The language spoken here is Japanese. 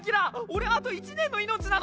俺あと１年の命なの！？